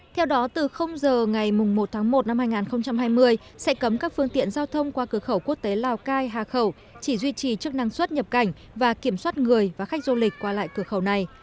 theo đó từ giờ ngày một tháng một năm hai nghìn hai mươi sẽ cấm các phương tiện giao thông qua cửa khẩu quốc tế lào cai hà khẩu chỉ duy trì chức năng xuất nhập cảnh và kiểm soát người và khách du lịch qua lại cửa khẩu này